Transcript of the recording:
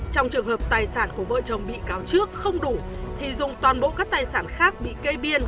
trong trường hợp tài sản của vợ chồng bị cáo trước không đủ thì dùng toàn bộ các tài sản khác bị kê biên